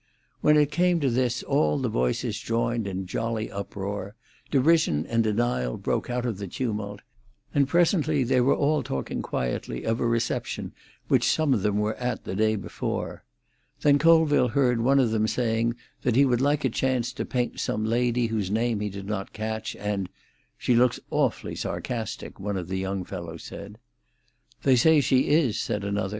When it came to this all the voices joined in jolly uproar. Derision and denial broke out of the tumult, and presently they were all talking quietly of a reception which some of them were at the day before. Then Colville heard one of them saying that he would like a chance to paint some lady whose name he did not catch, and "She looks awfully sarcastic," one of the young fellows said. "They say she is," said another.